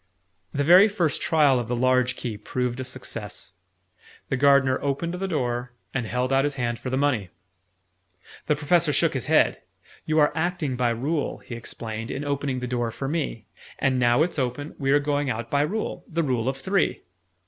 The very first trial of the large key proved a success: the Gardener opened the door, and held out his hand for the money. The Professor shook his head. "You are acting by Rule," he explained, "in opening the door for me. And now it's open, we are going out by Rule the Rule of Three."